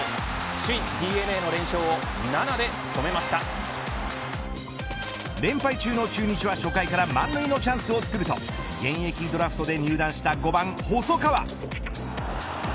首位ＤｅＮＡの連勝を連敗中の中日は初回から満塁のチャンスを作ると現役ドラフトで入団した５番、細川。